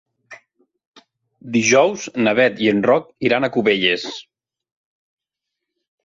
Dijous na Bet i en Roc iran a Cubelles.